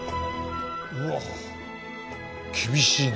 うわ厳しいね。